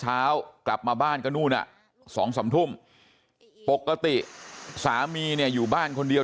กลับมาบ้านก็นู่น๒๓ทุ่มปกติสามีเนี่ยอยู่บ้านคนเดียว